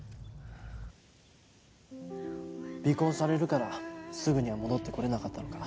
尾行されるからすぐには戻ってこられなかったのか。